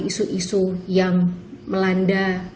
isu isu yang melanda